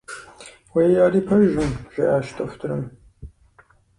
Уэи, ари пэжым, - жиӀащ дохутырым.